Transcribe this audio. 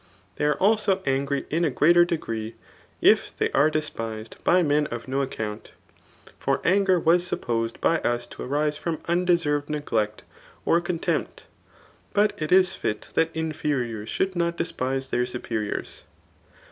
They are also angry in a greater degree, if they are despised by men of no account; for anger was supposed by us to arise from undeserved neglect or contempt ; but it ia fit that inferiours should not despise their superiours.